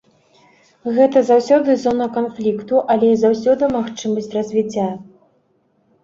Гэта заўсёды зона канфлікту, але і заўсёды магчымасць развіцця.